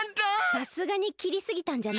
さすがにきりすぎたんじゃない？